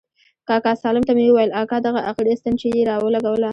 کاکا سالم ته مې وويل اكا دغه اخري ستن چې يې راولګوله.